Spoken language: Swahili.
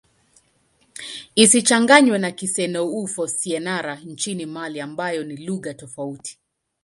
Isichanganywe na Kisenoufo-Syenara nchini Mali ambayo ni lugha tofauti.